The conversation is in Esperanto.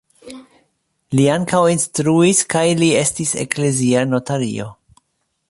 Li ankaŭ instruis kaj li estis eklezia notario.